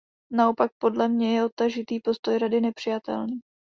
Naopak, podle mne je odtažitý postoj Rady nepřijatelný.